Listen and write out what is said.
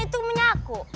itu punya aku